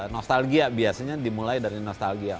nostalgia biasanya dimulai dari nostalgia